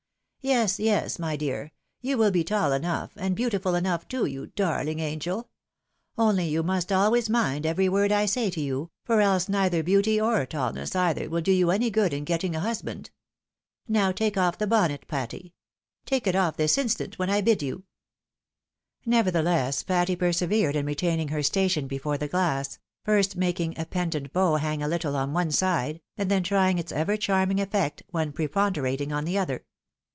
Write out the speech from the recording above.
" Yes, yes, my dear ! you will be tall enough, and beautiful enough too, you darhng angel ! Only you must always mind every word I say to you, for else neither beauty or taUness either will do you any good in getting a husband. Now take off the bonnet, Patty. Take it off this instant, when I bid you." Nevertheless Patty persevered in retaining her station before the glass, first making a pendent bow hang a little on one side,' and then trying its ever charming effect when preponderating on the other.